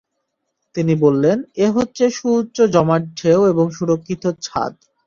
তিনি বললেন, এ হচ্ছে সুউচ্চ জমাট ঢেউ এবং সুরক্ষিত ছাদ।